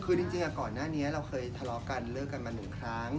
คือจริงก่อนหน้านี้เราเคยทะเลาะกันเลิกกันมาหนึ่งครั้ง